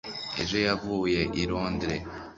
ejo yavuye i londres